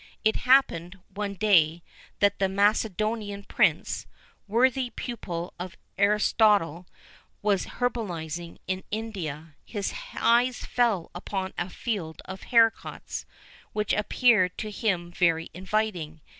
It happened, one day, that as the Macedonian prince worthy pupil of Aristotle was herbalizing in India, his eyes fell upon a field of haricots, which appeared to him very inviting.